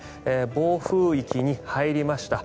暴風域に入りました。